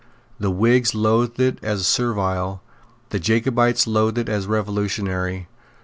The Whigs loathed it as servile; the Jacobites loathed it as revolutionary.